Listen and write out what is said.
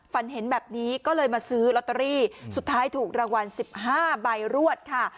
ฝันเห็นแบบนี้ก็เลยมาซื้อลอตเตอรี่สุดท้ายถูกรางวัล๑๕ใบรวดค่ะ